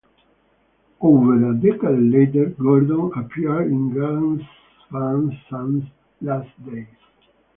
Over a decade later, Gordon appeared in Gus Van Sant's "Last Days".